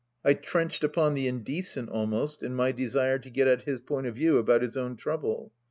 I trenched upon the indecent almost, in my desire to get at his point of view about his own trouble.